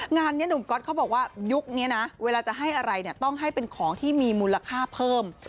งานนี้หนุ่มก๊อตเขาบอกว่ายุคนี้นะเวลาจะให้อะไรเนี่ยต้องให้เป็นของที่มีมูลค่าเพิ่ม